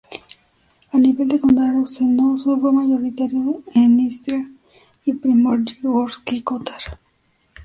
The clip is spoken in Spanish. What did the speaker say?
A nivel de condados, el "no" solo fue mayoritario en Istria y Primorje-Gorski Kotar.